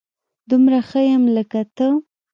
دومره ښه يم لکه ته